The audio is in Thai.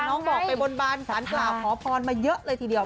น้องบอกไปบนบานสารกล่าวขอพรมาเยอะเลยทีเดียว